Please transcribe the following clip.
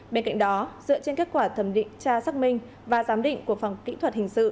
bên cạnh đó dựa trên kết quả thẩm định tra xác minh và giám định của phòng kỹ thuật hình sự